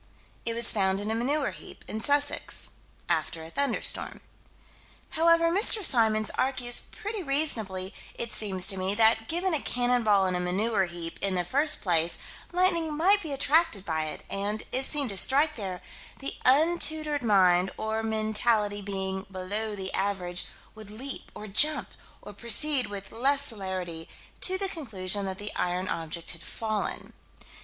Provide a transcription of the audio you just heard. It was found in a manure heap, in Sussex, after a thunderstorm. However, Mr. Symons argues pretty reasonably, it seems to me, that, given a cannon ball in a manure heap, in the first place, lightning might be attracted by it, and, if seen to strike there, the untutored mind, or mentality below the average, would leap or jump, or proceed with less celerity, to the conclusion that the iron object had fallen.